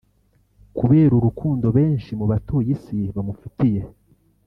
kubera urukundo benshi mu batuye Isi bamufitiye